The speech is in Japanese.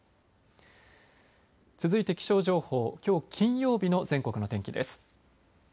続いて気象情報、きょう金曜日の全国の天気です。